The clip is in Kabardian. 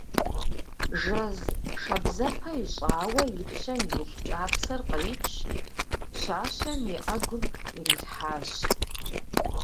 Жэз шабзэпэ ищӀауэ и пщэм илъ кӀапсэр къричщ, пщащэм и Ӏэгум ирилъхьащ.